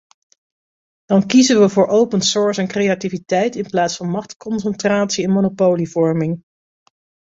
Dan kiezen we voor open source en creativiteit in plaats van machtsconcentratie en monopolievorming.